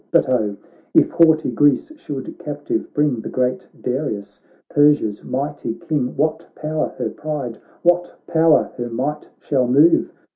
But oh, if haughty Greece should captive bring The great Darius, Persia's mighty King, What power her pride, what power her might shall move